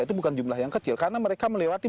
itu bukan jumlah yang kecil karena mereka melewati